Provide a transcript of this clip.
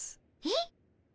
えっ？